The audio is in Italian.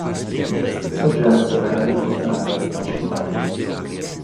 Il progetto era di fondare una città.